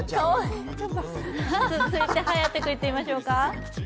続いて颯君いってみましょうか。